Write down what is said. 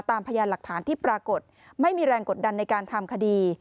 พยานหลักฐานที่ปรากฏไม่มีแรงกดดันในการทำคดี